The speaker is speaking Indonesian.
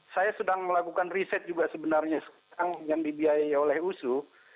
saya sedang melakukan riset juga sebenarnya sekarang yang dibiayai oleh usu